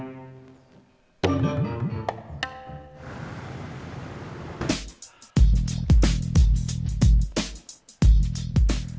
andai magil baik baik